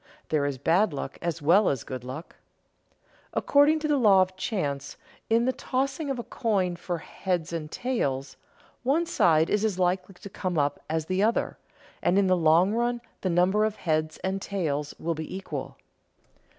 There is bad luck as well as good luck. According to the law of chance, in the tossing of a coin for "heads and tails," one side is as likely to come up as the other, and in the long run the number of heads and tails will be equal.